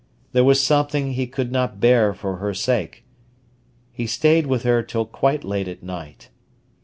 There was something he could not bear for her sake. He stayed with her till quite late at night.